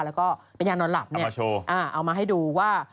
แล้วก็เป็นยานอนหลับเนี่ยเอามาให้ดูว่า